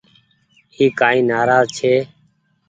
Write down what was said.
اي ڪآئي نآراز ڇي۔